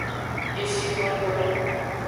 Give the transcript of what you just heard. Keshinoto.